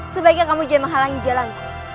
sebaiknya kamu jangan menghalangi jalanku